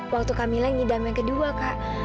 waktu kak mila ngidam yang kedua kak